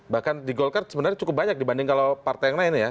bahkan di golkar sebenarnya cukup banyak dibanding kalau partai yang lain ya